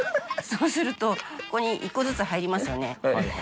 そうすると、ここに一個ずつ入りますよね。